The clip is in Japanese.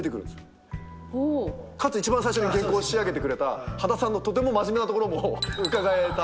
かつ一番最初に原稿を仕上げてくれた羽田さんのとても真面目なところもうかがえた。